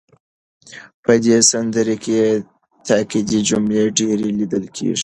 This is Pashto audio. په دې سندره کې تاکېدي جملې ډېرې لیدل کېږي.